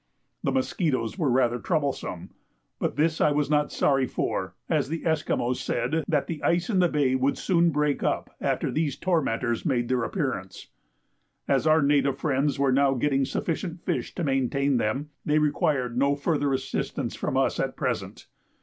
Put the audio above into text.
The musquitoes were rather troublesome; but this I was not sorry for, as the Esquimaux said that the ice in the bay would soon break up after these tormentors made their appearance. As our native friends were now getting sufficient fish to maintain them, they required no further assistance from us at present.